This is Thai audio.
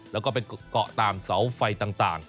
แล้วก็ไปเกาะตามเสาไฟต่าง